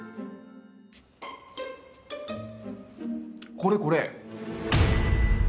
これこれ！